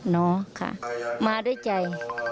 เนาะค่ะมาด้วยใจ